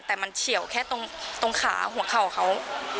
แต่มันเฉียวแค่ตรงขาหัวเข่าเขา